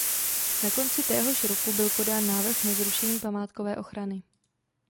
Na konci téhož roku byl podán návrh na zrušení památkové ochrany.